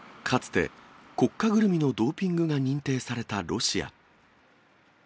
かつて、国家ぐるみのドーピングが認定されたロシア。